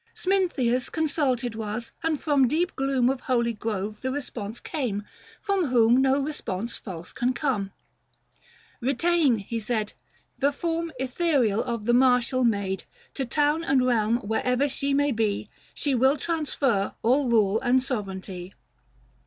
Smintheus consulted was, and from deep gloom Of holy grove the response came, from whom 500 No response false can come :" Ketain," he said, " The form ethereal of the martial maid ; To town and realm, wherever she may be, She will transfer all rule and sovereignty."